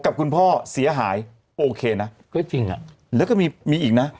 กับคุณพ่อเสียหายโอเคนะก็จริงอ่ะแล้วก็มีมีอีกนะ